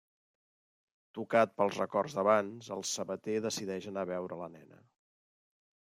Tocat pels records d’abans, el sabater decideix anar a veure la nena.